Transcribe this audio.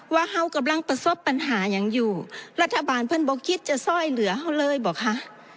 ว่าเขากำลังประสบปัญหาอย่างอยู่รัฐบาลเพื่อนบ่กิจจะซ่อยเหลือเขาเลยบ่คะ